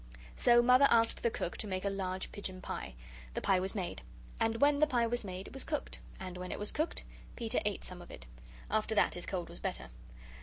So Mother asked the Cook to make a large pigeon pie. The pie was made. And when the pie was made, it was cooked. And when it was cooked, Peter ate some of it. After that his cold was better.